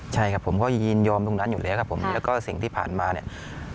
ใช่ครับผมก็ยินยอมตรงนั้นอยู่แล้วครับผมแล้วก็สิ่งที่ผ่านมาเนี่ย